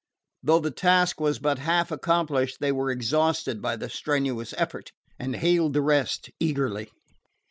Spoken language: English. Though the task was but half accomplished, they were exhausted by the strenuous effort, and hailed the rest eagerly.